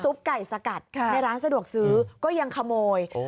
ซุปไก่สกัดค่ะในร้านสะดวกซื้อก็ยังขโมยโอ้